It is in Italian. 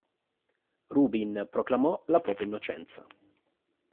Rubin proclamò la propria innocenza.